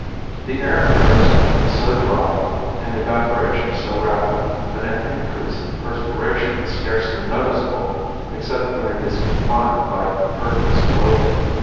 The air of Arizona is so dry and evaporation so rapid that an increase in perspiration is scarcely noticeable except when it is confined by impervious clothing.